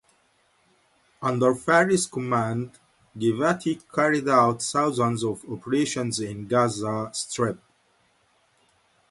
Under Fares' command, Givati carried out thousands of operations in the Gaza Strip.